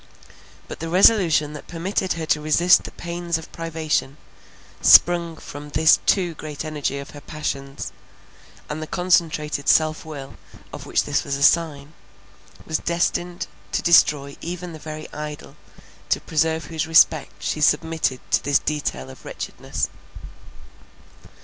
But the resolution that permitted her to resist the pains of privation, sprung from the too great energy of her passions; and the concentrated self will of which this was a sign, was destined to destroy even the very idol, to preserve whose respect she submitted to this detail of wretchedness.